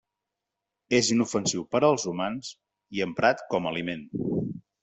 És inofensiu per als humans i emprat com a aliment.